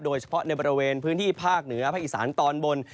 โดยเฉพาะในบริเวณพื้นที่ภาคเหนือภาคอีสานตอนบน